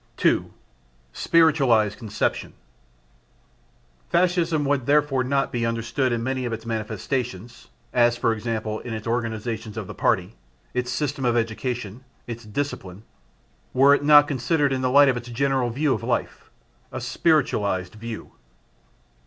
2. Spiritualised Conception. Fascism would therefore not be understood in many of its manifestations (as, for example, in its organisations of the Party, its system of education, its discipline) were it not considered in the light of its general view of life. A spiritualised view.